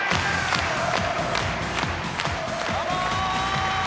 どうも！